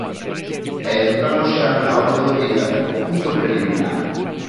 E entramos xa na orde do día co punto preliminar.